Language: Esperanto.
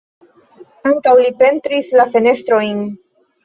Ankaŭ li pentris la fenestrojn.